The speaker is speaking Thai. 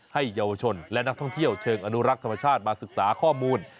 เยาวชนและนักท่องเที่ยวเชิงอนุรักษ์ธรรมชาติมาศึกษาข้อมูล